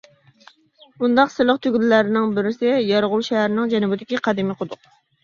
بۇنداق سىرلىق تۈگۈنلەرنىڭ بىرسى يارغول شەھىرىنىڭ جەنۇبىدىكى قەدىمىي قۇدۇق.